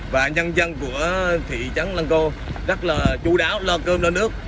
và nhân dân của thị trấn lăng cô rất là chú đáo lo cơm lo nước